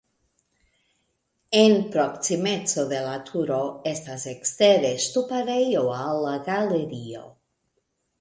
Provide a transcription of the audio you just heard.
En proksimeco de la turo estas ekstere ŝtuparejo al la galerio.